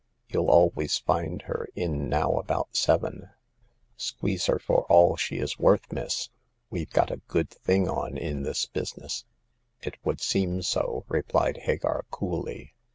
You'll always find her in now about The Ninth Customer. 241 seven. Squeeze her fo^ all she is worth, miss. WeVe got a good thing on in this business." " It would seem so/* replied Hagar, coolly.